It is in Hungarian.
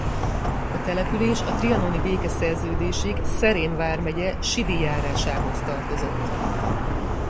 A település a trianoni békeszerződésig Szerém vármegye Sidi járásához tartozott.